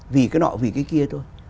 vì cái nọ vì cái kia thôi